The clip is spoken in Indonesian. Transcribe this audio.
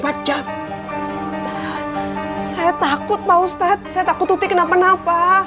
saya takut pak ustadz saya takut uti kenapa napa